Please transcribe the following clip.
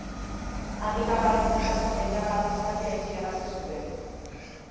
Handik hamar egunera Bizkaitarra aldizkaria itxiarazi zuten.